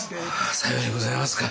さようにございますか。